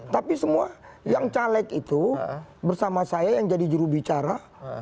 tapi semua yang caleg itu bersama saya yang jadi jurubicara